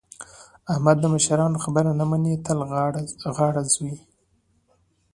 احمد د مشرانو خبره نه مني؛ تل غاړه ځوي.